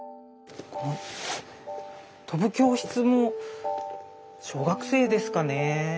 「飛ぶ教室」も小学生ですかね